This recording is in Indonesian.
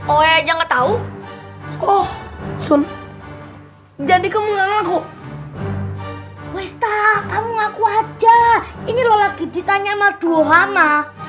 oh aja nggak tahu oh sun jadi kamu ngaku ngaku aja ini lagi ditanya maduhana